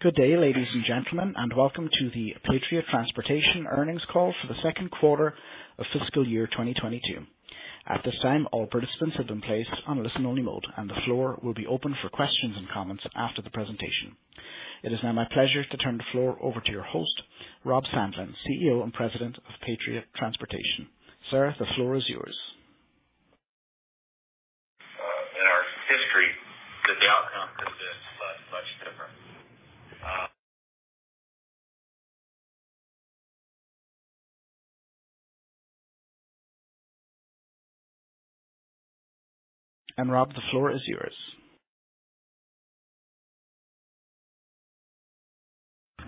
Good day, ladies and gentlemen, and welcome to the Patriot Transportation earnings call for the second quarter of fiscal year 2022. At this time, all participants have been placed on listen-only mode, and the floor will be open for questions and comments after the presentation. It is now my pleasure to turn the floor over to your host, Rob Sandlin, CEO and President of Patriot Transportation. Sir, the floor is yours. In our history that the outcome could have been much, much different. Rob, the floor is yours.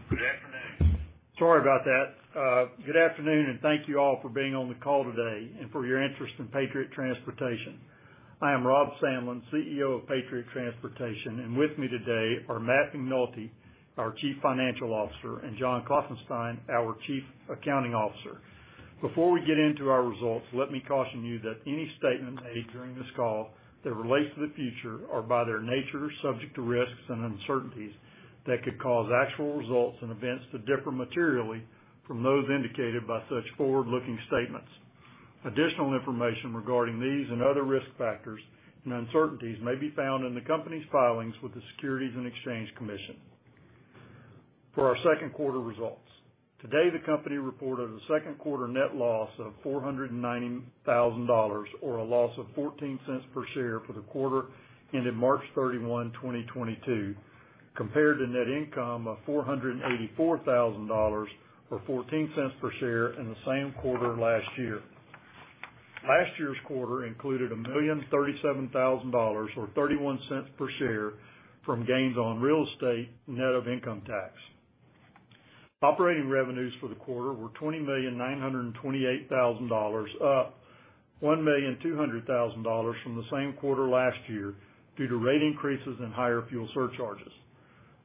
Good afternoon. Sorry about that. Good afternoon, and thank you all for being on the call today and for your interest in Patriot Transportation. I am Rob Sandlin, CEO of Patriot Transportation, and with me today are Matt McNulty, our Chief Financial Officer, and John Klopfenstein, our Chief Accounting Officer. Before we get into our results, let me caution you that any statement made during this call that relates to the future are by their nature, subject to risks and uncertainties that could cause actual results and events to differ materially from those indicated by such forward-looking statements. Additional information regarding these and other risk factors and uncertainties may be found in the company's filings with the Securities and Exchange Commission. For our second quarter results. Today, the company reported a second quarter net loss of $490,000, or a loss of $0.14 per share for the quarter ended March 31, 2022, compared to net income of $484,000 or $0.14 per share in the same quarter last year. Last year's quarter included $1,037,000 or $0.31 per share from gains on real estate net of income tax. Operating revenues for the quarter were $20,928,000, up $1,200,000 from the same quarter last year due to rate increases and higher fuel surcharges.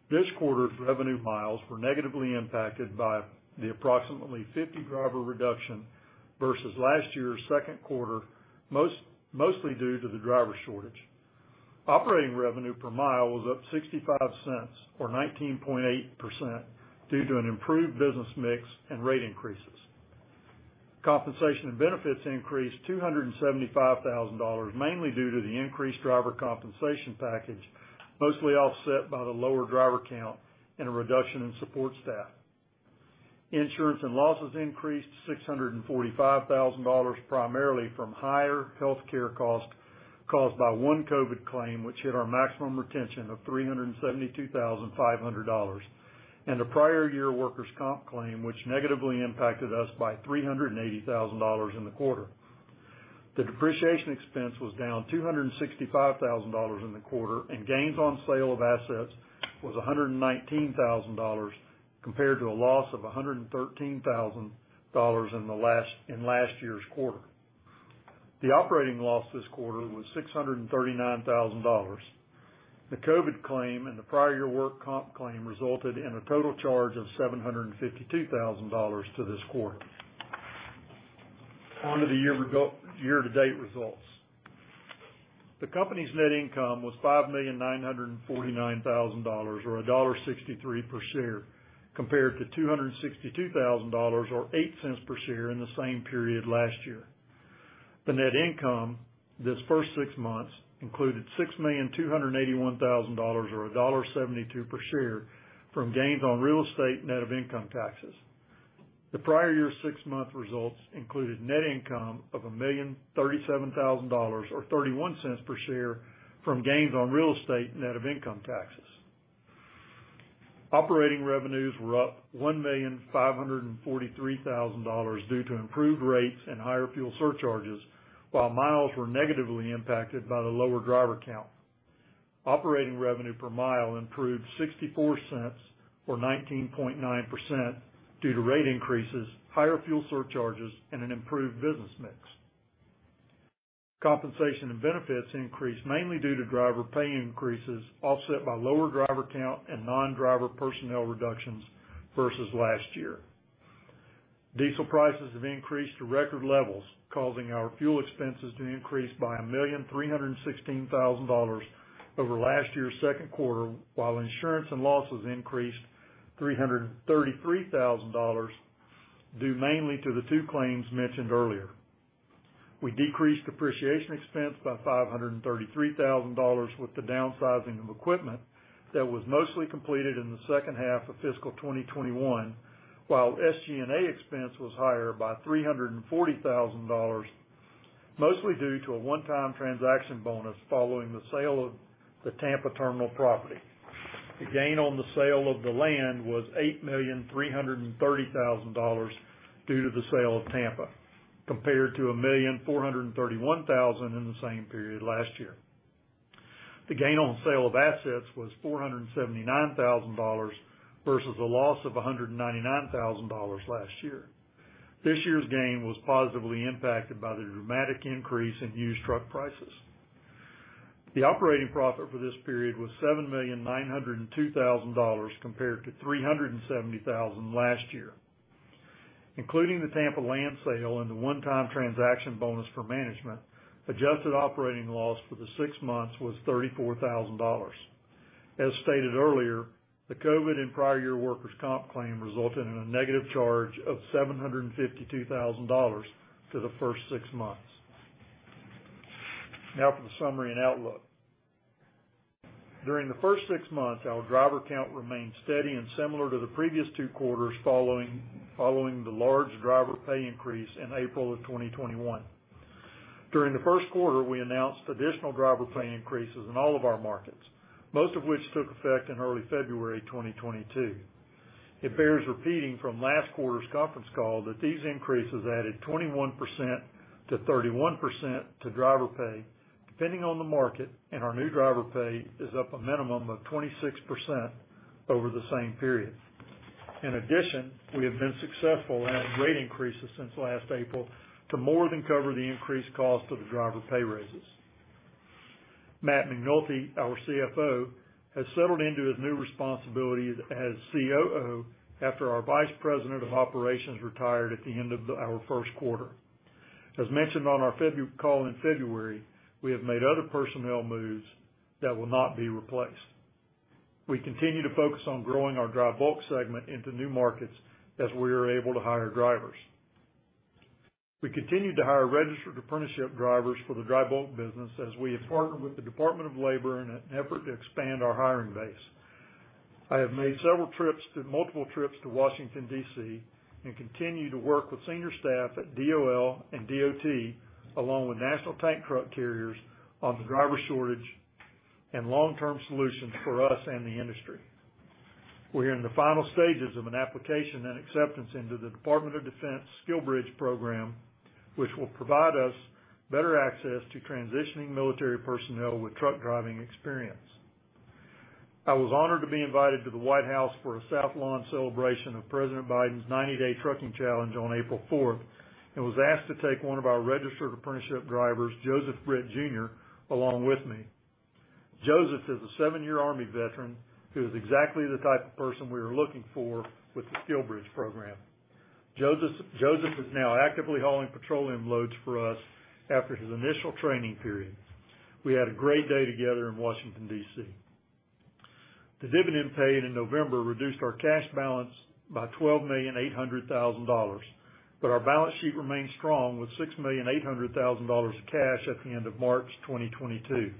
This quarter's revenue miles were negatively impacted by the approximately 50 driver reduction versus last year's second quarter, mostly due to the driver shortage. Operating revenue per mile was up $0.65 or 19.8% due to an improved business mix and rate increases. Compensation and benefits increased $275,000, mainly due to the increased driver compensation package, mostly offset by the lower driver count and a reduction in support staff. Insurance and losses increased $645,000, primarily from higher healthcare costs caused by one COVID claim, which hit our maximum retention of $372,500, and a prior year workers' comp claim, which negatively impacted us by $380,000 in the quarter. The depreciation expense was down $265,000 in the quarter, and gains on sale of assets was $119,000 compared to a loss of $113,000 in last year's quarter. The operating loss this quarter was $639,000. The COVID claim and the prior year work comp claim resulted in a total charge of $752,000 to this quarter. Year-to-date results. The company's net income was $5,949,000 or $1.63 per share, compared to $262,000 or $0.08 per share in the same period last year. The net income this first six months included $6,281,000 or $1.72 per share from gains on real estate net of income taxes. The prior year six-month results included net income of $1,037,000 or $0.31 per share from gains on real estate net of income taxes. Operating revenues were up $1,543,000 due to improved rates and higher fuel surcharges, while miles were negatively impacted by the lower driver count. Operating revenue per mile improved $0.64 or 19.9% due to rate increases, higher fuel surcharges, and an improved business mix. Compensation and benefits increased mainly due to driver pay increases offset by lower driver count and non-driver personnel reductions versus last year. Diesel prices have increased to record levels, causing our fuel expenses to increase by $1.316 million over last year's second quarter, while insurance and losses increased $333,000, due mainly to the two claims mentioned earlier. We decreased depreciation expense by $533,000 with the downsizing of equipment that was mostly completed in the second half of fiscal 2021, while SG&A expense was higher by $340,000, mostly due to a one-time transaction bonus following the sale of the Tampa terminal property. The gain on the sale of the land was $8.33 million due to the sale of Tampa, compared to $1.431 million in the same period last year. The gain on sale of assets was $479,000 versus a loss of $199,000 last year. This year's gain was positively impacted by the dramatic increase in used truck prices. The operating profit for this period was $7.902 million compared to $370,000 last year. Including the Tampa land sale and the one-time transaction bonus for management, adjusted operating loss for the six months was $34,000. As stated earlier, the COVID and prior year workers' comp claim resulted in a negative charge of $752,000 to the first six months. Now for the summary and outlook. During the first six months, our driver count remained steady and similar to the previous two quarters following the large driver pay increase in April 2021. During the first quarter, we announced additional driver pay increases in all of our markets, most of which took effect in early February 2022. It bears repeating from last quarter's conference call that these increases added 21%-31% to driver pay, depending on the market, and our new driver pay is up a minimum of 26% over the same period. In addition, we have been successful in our rate increases since last April to more than cover the increased cost of the driver pay raises. Matt McNulty, our CFO, has settled into his new responsibility as COO after our Vice President of operations retired at the end of our first quarter. As mentioned on our call in February, we have made other personnel moves that will not be replaced. We continue to focus on growing our dry bulk segment into new markets as we are able to hire drivers. We continued to hire registered apprenticeship drivers for the dry bulk business as we have partnered with the Department of Labor in an effort to expand our hiring base. I have made multiple trips to Washington, D.C., and continue to work with senior staff at DOL and DOT, along with National Tank Truck Carriers, on the driver shortage and long-term solutions for us and the industry. We are in the final stages of an application and acceptance into the Department of Defense SkillBridge program, which will provide us better access to transitioning military personnel with truck driving experience. I was honored to be invited to the White House for a South Lawn celebration of President Biden's 90-day trucking challenge on April 4, and was asked to take one of our registered apprenticeship drivers, Joseph Britt Jr., along with me. Joseph is a seven-year Army veteran who is exactly the type of person we were looking for with the SkillBridge program. Joseph is now actively hauling petroleum loads for us after his initial training period. We had a great day together in Washington, D.C. The dividend paid in November reduced our cash balance by $12.8 million, but our balance sheet remains strong with $6.8 million of cash at the end of March 2022.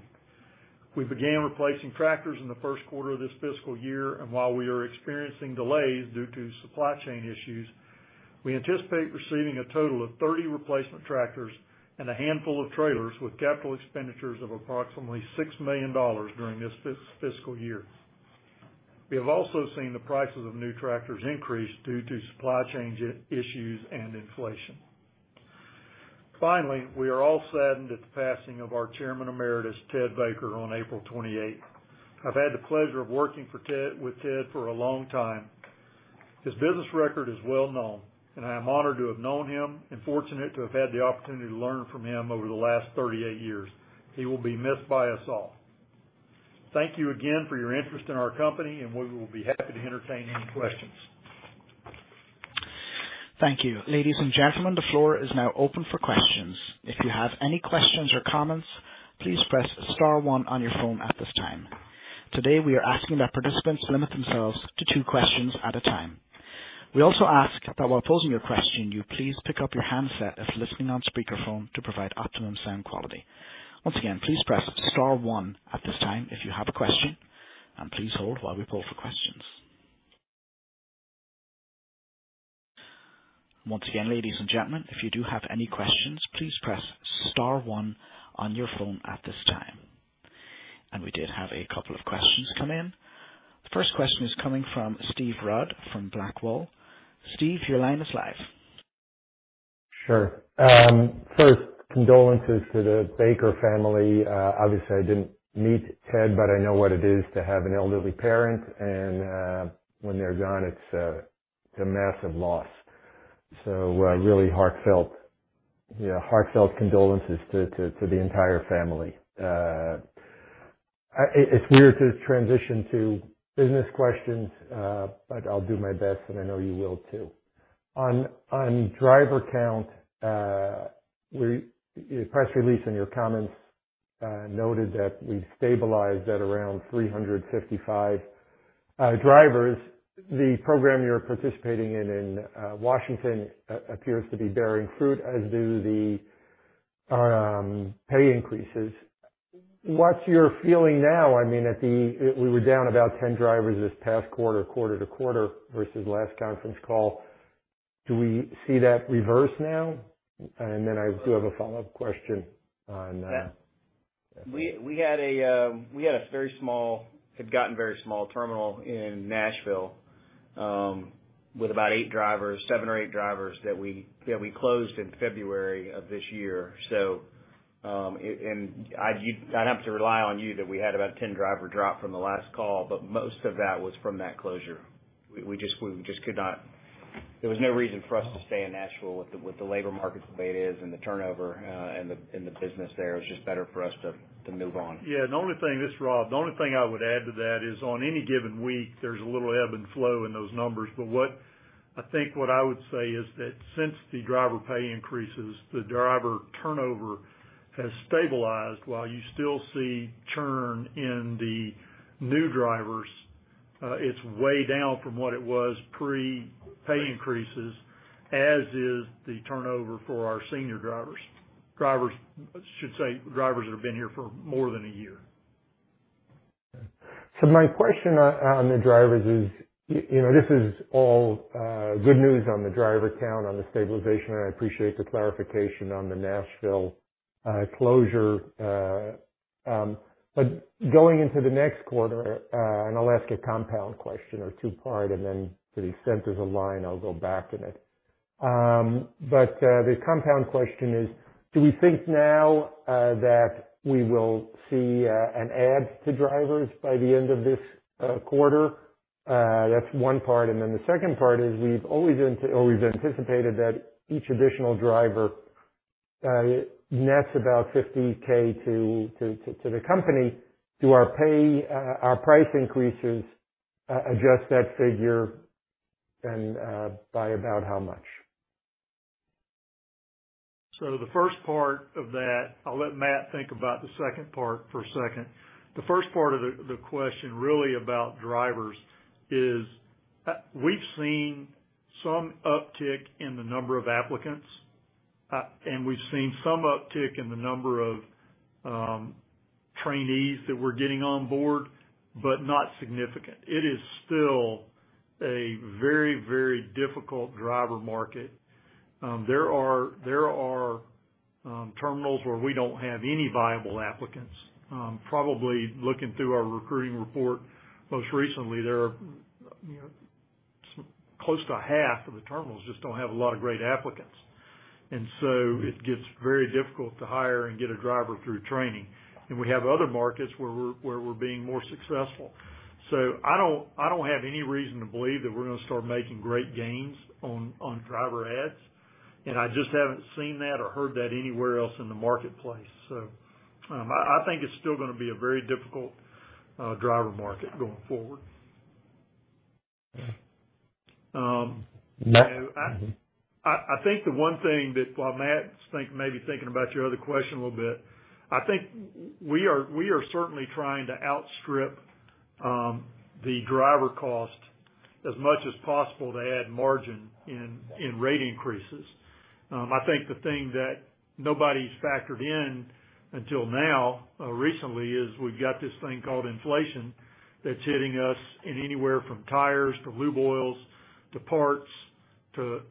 We began replacing tractors in the first quarter of this fiscal year, and while we are experiencing delays due to supply chain issues, we anticipate receiving a total of 30 replacement tractors and a handful of trailers with capital expenditures of approximately $6 million during this fiscal year. We have also seen the prices of new tractors increase due to supply chain issues and inflation. Finally, we are all saddened at the passing of our Chairman Emeritus, Ted Baker, on April 28th. I've had the pleasure of working with Ted for a long time. His business record is well known, and I am honored to have known him and fortunate to have had the opportunity to learn from him over the last 38 years. He will be missed by us all. Thank you again for your interest in our company, and we will be happy to entertain any questions. Thank you. Ladies and gentlemen, the floor is now open for questions. If you have any questions or comments, please press star one on your phone at this time. Today, we are asking that participants limit themselves to two questions at a time. We also ask that while posing your question, you please pick up your handset if listening on speakerphone to provide optimum sound quality. Once again, please press star one at this time if you have a question, and please hold while we poll for questions. Once again, ladies and gentlemen, if you do have any questions, please press star one on your phone at this time. We did have a couple of questions come in. The first question is coming from Steve Rudd from Blackwall. Steve, your line is live. Sure. First condolences to the Baker family. Obviously, I didn't meet Ted, but I know what it is to have an elderly parent and when they're gone, it's a massive loss. Really heartfelt condolences to the entire family. It's weird to transition to business questions, but I'll do my best, and I know you will too. On driver count, your press release and your comments noted that we've stabilized at around 355 drivers. The program you're participating in in Washington appears to be bearing fruit, as do the pay increases. What's your feeling now? I mean, we were down about 10 drivers this past quarter to quarter versus last conference call. Do we see that reverse now? I do have a follow-up question on. Yeah. We had a very small terminal in Nashville with about eight drivers, seven or eight drivers that we closed in February of this year. I'd have to rely on you that we had about 10 driver drop from the last call, but most of that was from that closure. We just could not. There was no reason for us to stay in Nashville with the labor market the way it is and the turnover, and the business there. It was just better for us to move on. Yeah, the only thing. This is Rob. The only thing I would add to that is on any given week, there's a little ebb and flow in those numbers, but what I think I would say is that since the driver pay increases, the driver turnover has stabilized. While you still see churn in the new drivers, it's way down from what it was pre-pay increases, as is the turnover for our senior drivers. Drivers, I should say, drivers that have been here for more than a year. Okay. My question on the drivers is, you know, this is all good news on the driver count, on the stabilization, and I appreciate the clarification on the Nashville closure. Going into the next quarter, and I'll ask a compound question or two-part, and then to the extent there's a line, I'll go back in it. The compound question is, do we think now that we will see an add to drivers by the end of this quarter? That's one part. Then the second part is we've always anticipated that each additional driver nets about $50K to the company. Do our price increases adjust that figure, and by about how much? The first part of that, I'll let Matt think about the second part for a second. The first part of the question really about drivers is, we've seen some uptick in the number of applicants, and we've seen some uptick in the number of trainees that we're getting on board, but not significant. It is still a very, very difficult driver market. There are terminals where we don't have any viable applicants. Probably looking through our recruiting report most recently, there are close to half of the terminals just don't have a lot of great applicants. It gets very difficult to hire and get a driver through training. We have other markets where we're being more successful. I don't have any reason to believe that we're gonna start making great gains on driver adds, and I just haven't seen that or heard that anywhere else in the marketplace. I think it's still gonna be a very difficult driver market going forward. Yeah. Um, now I- Mm-hmm. I think the one thing that while Matt's maybe thinking about your other question a little bit, I think we are certainly trying to outstrip the driver cost as much as possible to add margin in rate increases. I think the thing that nobody's factored in until now recently is we've got this thing called inflation that's hitting us in anywhere from tires to lube oils to parts to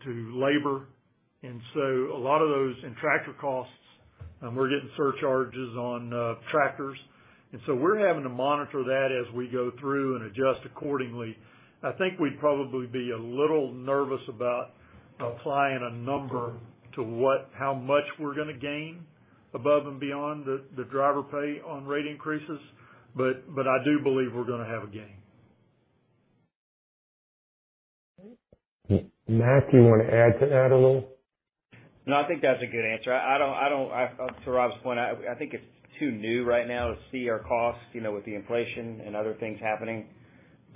labor. A lot of those and tractor costs we're getting surcharges on tractors. We're having to monitor that as we go through and adjust accordingly. I think we'd probably be a little nervous about applying a number to what how much we're gonna gain above and beyond the driver pay on rate increases. I do believe we're gonna have a gain. Matt, do you wanna add to that a little? No, I think that's a good answer. To Rob's point, I think it's too new right now to see our costs, you know, with the inflation and other things happening,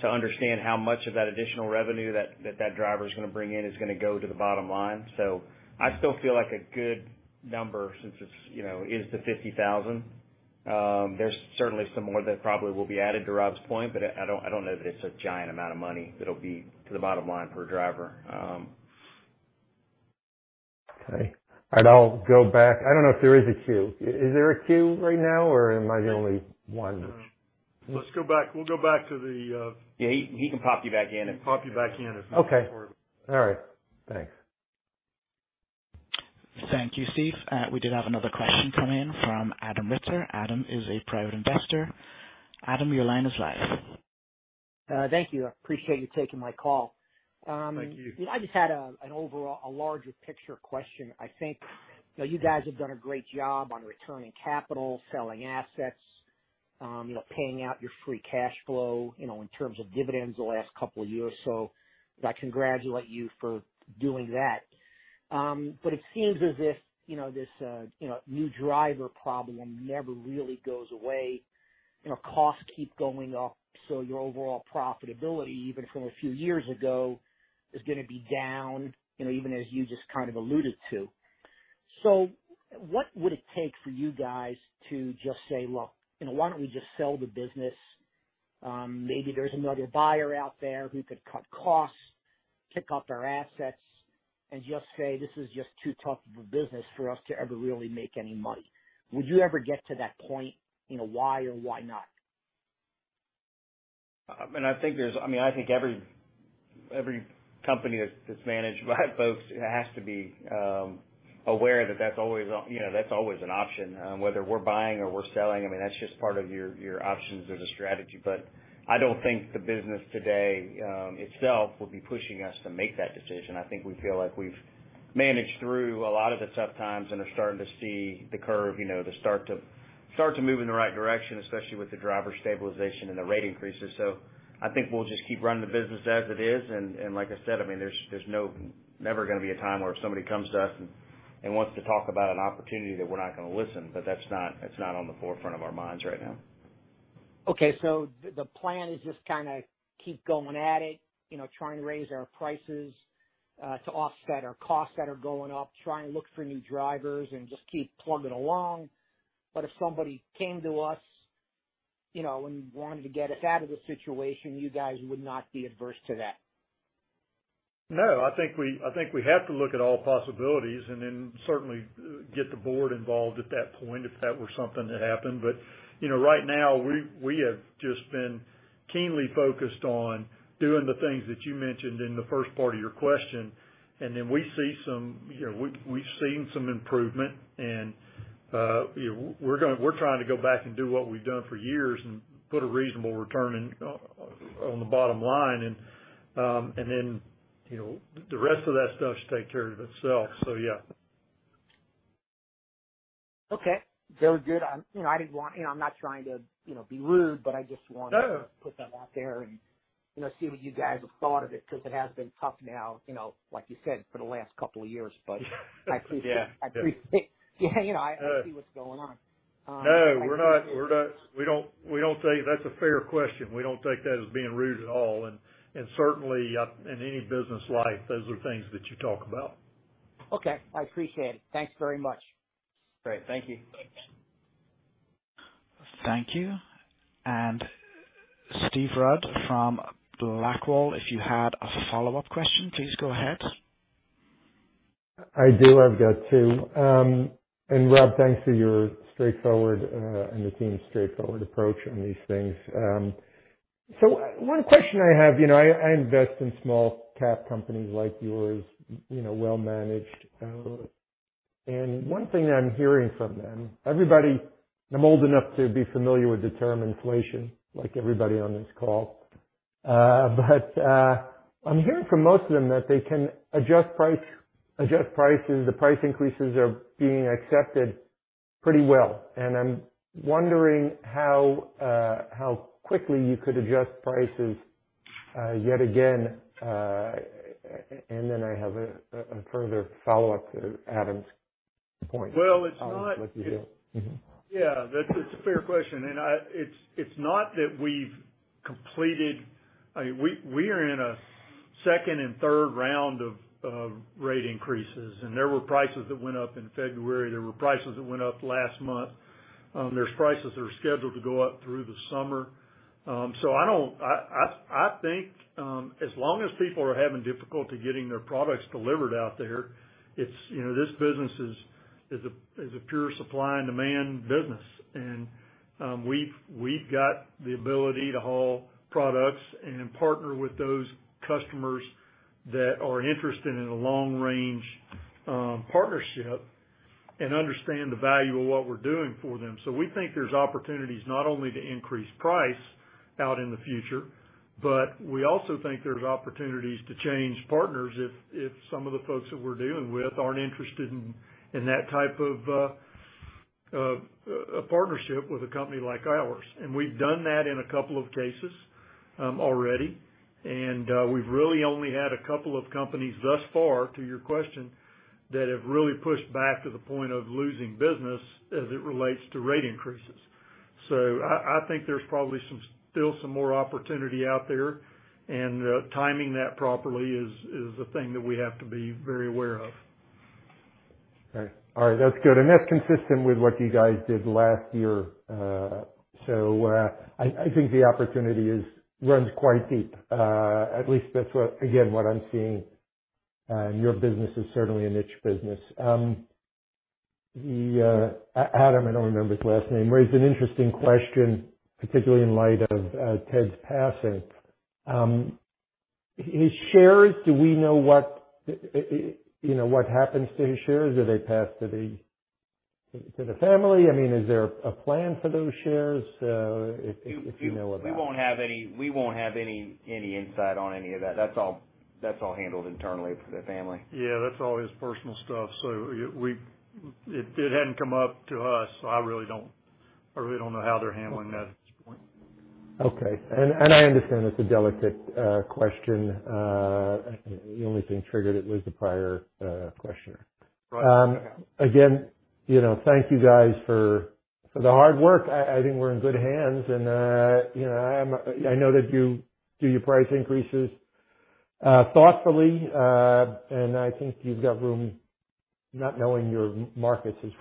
to understand how much of that additional revenue that driver is gonna bring in is gonna go to the bottom line. I still feel like a good number since it's, you know, is the $50,000. There's certainly some more that probably will be added to Rob's point, but I don't know that it's a giant amount of money that'll be to the bottom line per driver. Okay. I'll go back. I don't know if there is a queue. Is there a queue right now or am I the only one? Let's go back. We'll go back to the queue Yeah, he can pop you back in if We'll pop you back in if not. Okay. All right. Thanks. Thank you, Steve. We did have another question come in from Adam Ritzer. Adam is a private investor. Adam, your line is live. Thank you. I appreciate you taking my call. Thank you. I just had an overall larger picture question. I think, you know, you guys have done a great job on returning capital, selling assets, you know, paying out your free cash flow, you know, in terms of dividends the last couple of years. I congratulate you for doing that. But it seems as if, you know, this new driver problem never really goes away. You know, costs keep going up, so your overall profitability, even from a few years ago, is gonna be down, you know, even as you just kind of alluded to. What would it take for you guys to just say, "Look, you know, why don't we just sell the business? Maybe there's another buyer out there who could cut costs, kick up our assets, and just say, this is just too tough of a business for us to ever really make any money. Would you ever get to that point? You know, why or why not? I think there's I mean, I think every company that's managed by folks has to be aware that that's always, you know, that's always an option. Whether we're buying or we're selling, I mean, that's just part of your options as a strategy. But I don't think the business today itself will be pushing us to make that decision. I think we feel like we've managed through a lot of the tough times and are starting to see the curve, you know, to start to move in the right direction, especially with the driver stabilization and the rate increases. I think we'll just keep running the business as it is, and like I said, I mean, there's never gonna be a time where if somebody comes to us and wants to talk about an opportunity that we're not gonna listen, but that's not, it's not on the forefront of our minds right now. Okay. The plan is just kinda keep going at it, you know, trying to raise our prices, to offset our costs that are going up, try and look for new drivers and just keep plugging along. If somebody came to us, you know, and wanted to get us out of the situation, you guys would not be adverse to that? No, I think we have to look at all possibilities and then certainly get the board involved at that point if that were something that happened. You know, right now we have just been keenly focused on doing the things that you mentioned in the first part of your question, and then we've seen some improvement and we're trying to go back and do what we've done for years and put a reasonable return in on the bottom line and then, you know, the rest of that stuff should take care of itself. Yeah. Okay. Very good. You know, I'm not trying to, you know, be rude, but I just wanted. No. to put that out there and, you know, see what you guys have thought of it, because it has been tough now, you know, like you said, for the last couple of years. I appreciate Yeah. I appreciate. Yeah. You know, I see what's going on. No, we're not. That's a fair question. We don't take that as being rude at all. Certainly in any business life, those are things that you talk about. Okay. I appreciate it. Thanks very much. Great. Thank you. Thanks. Thank you. Steve Rudd from Blackwall, if you had a follow-up question, please go ahead. I do. I've got two. And Rob, thanks for your straightforward, and the team's straightforward approach on these things. So one question I have, you know, I invest in small cap companies like yours, you know, well-managed. One thing I'm hearing from them, everybody. I'm old enough to be familiar with the term inflation, like everybody on this call. But I'm hearing from most of them that they can adjust prices. The price increases are being accepted pretty well. I'm wondering how quickly you could adjust prices yet again. And then I have a further follow-up to Adam's point. Well, it's not. What you do. Yeah, that's a fair question. I mean, we are in a second and third round of rate increases, and there were prices that went up in February. There were prices that went up last month. There's prices that are scheduled to go up through the summer. I think as long as people are having difficulty getting their products delivered out there, it's, you know, this business is a pure supply and demand business. We've got the ability to haul products and partner with those customers that are interested in a long range partnership and understand the value of what we're doing for them. We think there's opportunities not only to increase price out in the future, but we also think there's opportunities to change partners if some of the folks that we're dealing with aren't interested in that type of a partnership with a company like ours. We've done that in a couple of cases already. We've really only had a couple of companies thus far, to your question, that have really pushed back to the point of losing business as it relates to rate increases. I think there's probably some still some more opportunity out there. Timing that properly is a thing that we have to be very aware of. All right. That's good. That's consistent with what you guys did last year. I think the opportunity runs quite deep. At least that's what, again, what I'm seeing. Your business is certainly a niche business. Adam, I don't remember his last name, raised an interesting question, particularly in light of Ted's passing. His shares, do we know what, you know, what happens to his shares? Do they pass to the family? I mean, is there a plan for those shares? If you know about- We won't have any insight on any of that. That's all handled internally for the family. Yeah, that's all his personal stuff. It hadn't come up to us, so I really don't know how they're handling that at this point. Okay. I understand it's a delicate question. The only thing triggered it was the prior question. Right. Again, you know, thank you guys for the hard work. I think we're in good hands and, you know, I know that you do your price increases thoughtfully. I think you've got room, not knowing your markets as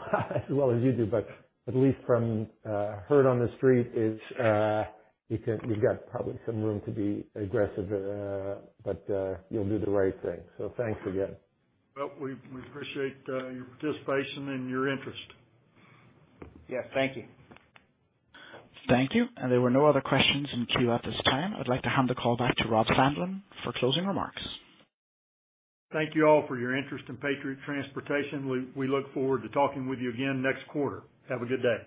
well as you do, but at least from heard on the street is, you've got probably some room to be aggressive, but you'll do the right thing. Thanks again. Well, we appreciate your participation and your interest. Yeah. Thank you. Thank you. There were no other questions in queue at this time. I'd like to hand the call back to Rob Sandlin for closing remarks. Thank you all for your interest in Patriot Transportation. We look forward to talking with you again next quarter. Have a good day.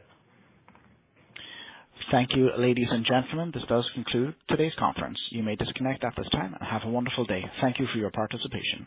Thank you, ladies and gentlemen. This does conclude today's conference. You may disconnect at this time. Have a wonderful day. Thank you for your participation.